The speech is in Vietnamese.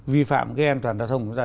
vi phạm ghen toàn tàu thông